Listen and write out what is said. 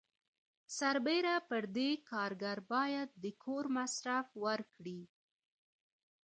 سربیره پر دې کارګر باید د کور مصرف ورکړي.